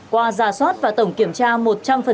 qua giả soát và tổng kiểm tra chúng tôi sẽ xử lý nghiêm